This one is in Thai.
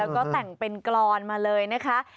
แล้วก็แต่งเป็นกรอนมาเลยนะคะ